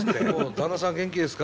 旦那さん元気ですか？